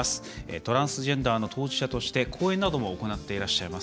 トランスジェンダーの当事者として講演なども行っていらっしゃいます